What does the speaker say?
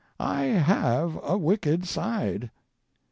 I have a wicked side.